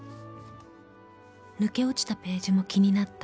［抜け落ちたページも気になった］